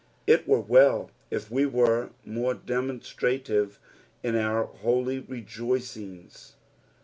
It were well if we were more demoiistrative in our holy rejoicings.